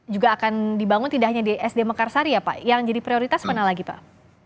juga akan dibangun tidak hanya di sd mekarsari ya pak yang jadi prioritas mana lagi pak